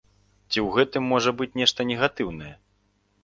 Ці ў гэтым можа быць нешта негатыўнае?